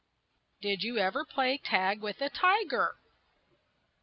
DID YOU EVER PLAY TAG WITH A TIGER?